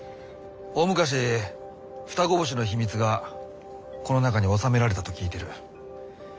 大昔双子星の秘密がこの中に収められたと聞いてる。